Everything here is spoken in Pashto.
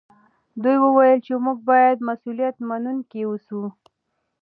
دوی وویل چې موږ باید مسوولیت منونکي اوسو.